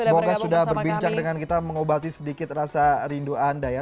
semoga sudah berbincang dengan kita mengobati sedikit rasa rindu anda ya